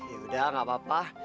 ya udah gak apa apa